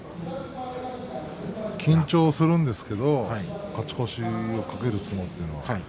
緊張するんですけど勝ち越しを懸ける相撲というのは。